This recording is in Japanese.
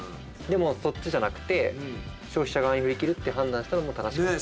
でもそっちじゃなくて消費者側に振り切るって判断したのも正しかった。